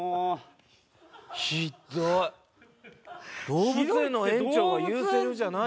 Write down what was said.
ひっどい！